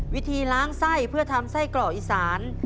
วิธีล้างไส้เพื่อทำไส้กรอกอีสาน